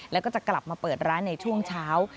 แล้วก็จะกลับมาเปิดร้านในช่วงเช้า